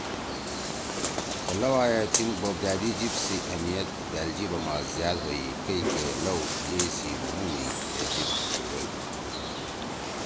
خو لؤا ئے تھیِن بوپ دأدی جیِب سی اہمیت دأل جیِبا ما زیاد ہوئی کئی کہ لؤ یئی سی مُو می اے جیِب ڇھیڙَدُو۔